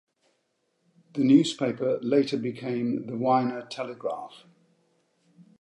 This newspaper later became the "Wiener Telegraph".